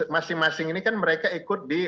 masing masing ini kan mereka ikut di